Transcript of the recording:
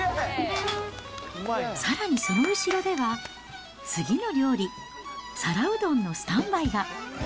さらにその後ろでは次の料理、皿うどんのスタンバイが。